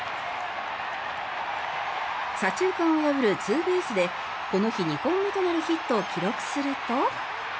左中間を破るツーベースでこの日２本目となるヒットを記録すると。